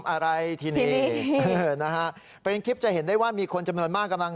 อะไรที่นี่นะฮะเป็นคลิปจะเห็นได้ว่ามีคนจำนวนมากกำลัง